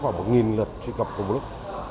chúng tôi có khoảng một lượt truy cập public